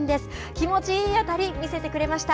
気持ちいい当たり見せてくれました。